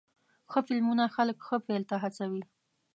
ښه فلمونه خلک ښه پیل ته هڅوې.